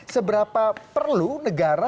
seberapa perlu negara